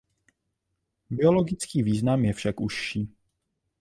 Biologický význam je však užší.